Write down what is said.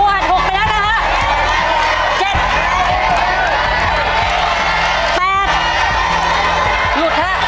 หันหกไปแล้วนะฮะเจ็ด